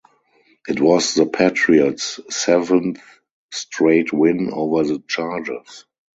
It was the Patriots’ seventh straight win over the Chargers.